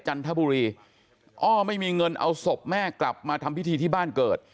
จันทบุรีอ้อไม่มีเงินเอาศพแม่กลับมาทำพิธีที่บ้านเกิด